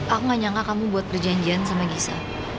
aku gak nyangka kamu buat perjanjian sama gisa